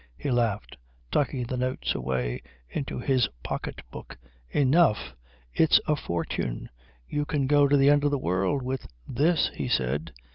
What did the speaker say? He laughed, tucking the notes away into his pocket book. "Enough? It's a fortune. You can go to the end of the world with this," he said.